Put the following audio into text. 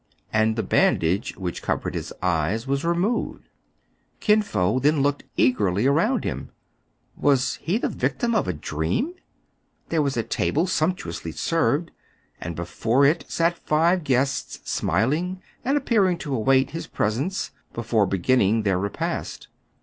And the bandage which covered his eyes was removed. Kin Fo then looked eagerly around him. Was he the victim of a dream } There was a table, sumptuously served, and before it sat five guests, smiling, and appearing to await his pres ence before beginning their repast.